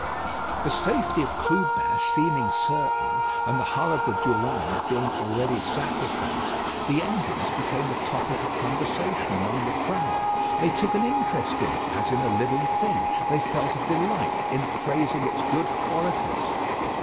The safety of Clubin seeming certain, and the hull of the Durande being already sacrificed, the engines became the topic of conversation among the crowd. They took an interest in it as in a living thing. They felt a delight in praising its good qualities.